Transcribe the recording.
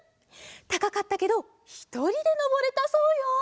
たかかったけどひとりでのぼれたそうよ！